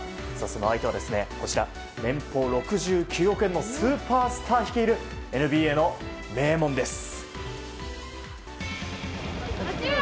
その相手は年俸６９億円のスーパースター率いるＮＢＡの名門です。